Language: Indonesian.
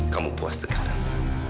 kamu puas sekarang